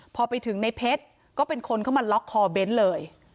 พอไปถึงในเพชรก็เป็นคนเข้ามาล็อกคอเบ้นเลย